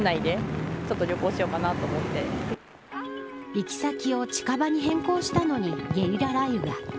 行き先を近場に変更したのにゲリラ雷雨が。